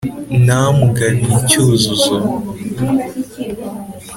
Ntamugabiye icyuzuzo